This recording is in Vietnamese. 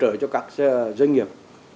để hỗ trợ cho các doanh nghiệp